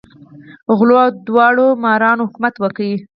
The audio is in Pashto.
غلو او داړه مارانو حکومت وکړ.